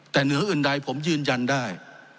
แต่เหนืออื่นใดผมยืนยันได้